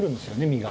身が。